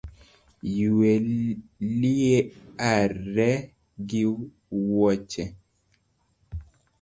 Yue liare gi yuech